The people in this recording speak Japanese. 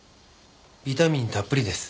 ビタミンたっぷりです。